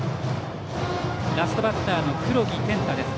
ラストバッターの黒木天太です。